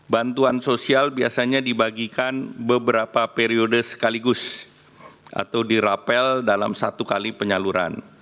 bantuan sosial biasanya dibagikan beberapa periode sekaligus atau dirapel dalam satu kali penyaluran